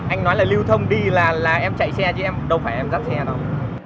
anh nói là lưu thông đi là em chạy xe chứ em đâu phải em dắt xe đâu